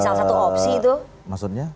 salah satu opsi itu maksudnya